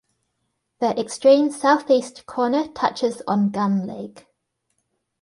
The extreme southeast corner touches on Gun Lake.